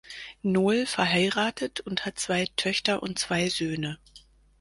Nohl verheiratet und hat zwei Töchter und zwei Söhne.